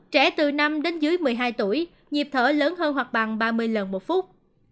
trẻ từ năm đến dưới một mươi hai tuổi nhịp thở lớn hơn hoặc bằng ba mươi lần một phút